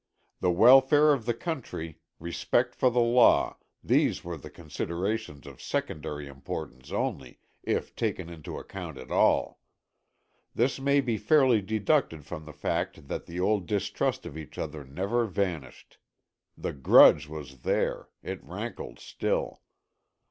The welfare of the country, respect for the law, these were considerations of secondary importance only, if taken into account at all. This may be fairly deducted from the fact that the old distrust of each other never vanished. The grudge was there, it rankled still.